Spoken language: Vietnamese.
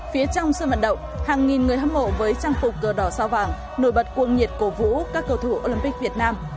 phía trong sân vận động hàng nghìn người hâm mộ với trang phục cờ đỏ sao vàng nổi bật cuồng nhiệt cổ vũ các cầu thủ olympic việt nam